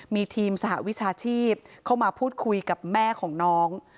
มีทีมสหวิชาชีพเข้ามาพูดคุยกับแม่ของน้อง